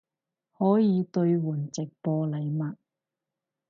可以兑换直播禮物